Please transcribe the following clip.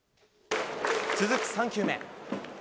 続く３球目。